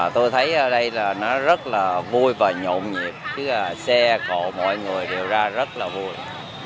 tôi thấy ở đây là nó rất là vui và nhộn nhịp chứ là xe cổ mọi người đều ra rất là vui